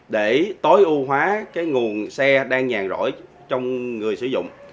để tối ưu hóa cái nguồn xe đang nhàn rỗi trong người sử dụng